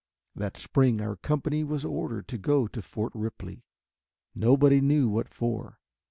That spring our company was ordered to go to Fort Ripley, nobody ever knew what for.